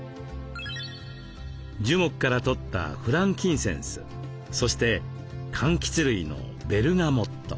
樹木から採ったフランキンセンスそしてかんきつ類のベルガモット。